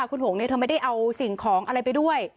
คุณหงเนี่ยเธอไม่ได้เอาสิ่งของอะไรไปด้วย